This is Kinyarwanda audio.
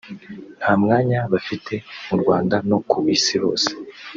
nta mwanya bafite mu Rwanda no ku isi hose